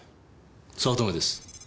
早乙女です。